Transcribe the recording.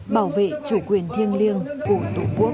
bảo vệ chủ quyền thiêng liêng của tổ quốc